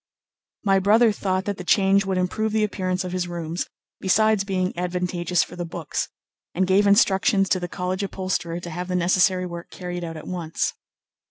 My brother thought that the change would improve the appearance of his rooms, besides being advantageous for the books, and gave instructions to the college upholsterer to have the necessary work carried out at once.